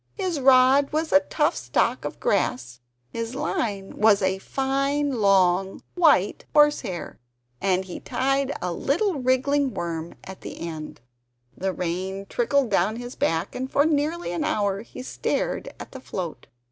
His rod was a tough stalk of grass, his line was a fine long white horse hair, and he tied a little wriggling worm at the end. The rain trickled down his back, and for nearly an hour he stared at the float.